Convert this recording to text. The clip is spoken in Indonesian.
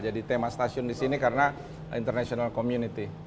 jadi tema stasiun di sini karena international community